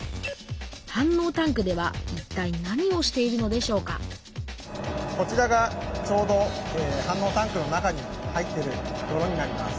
反応タンクではいったい何をしているのでしょうかこちらがちょうど反応タンクの中に入ってるどろになります。